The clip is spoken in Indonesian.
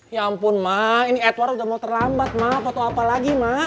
ya ampun mak ini edward udah mau terlambat mak foto apa lagi mak